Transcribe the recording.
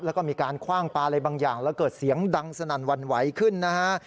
แล้วก็มีการคว่างปลาอะไรบางอย่างแล้วเกิดเสียงดังสนั่นหวั่นไหวขึ้นนะฮะ